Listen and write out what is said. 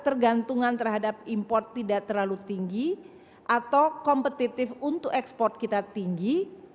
ketergantungan terhadap import tidak terlalu tinggi atau kompetitif untuk ekspor kita tinggi